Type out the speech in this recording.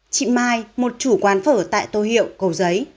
chị mai một chủ quán phở tại tô hiệu cầu giấy